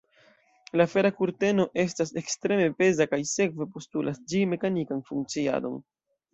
La fera kurteno estas ekstreme peza kaj sekve postulas ĝi mekanikan funkciadon.